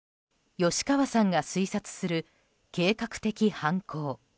吉川さんが推察する計画的犯行。